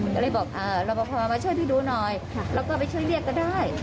ก็เลยบอกรับประพอมาช่วยพี่ดูหน่อยแล้วก็ไปช่วยเรียกก็ได้